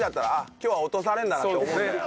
今日は落とされるんだなって思うんだよ。